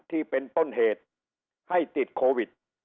ที่เป็นต้นเหตุให้ติดโควิด